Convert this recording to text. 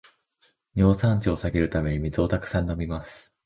尿酸値を下げるために水をたくさん飲みます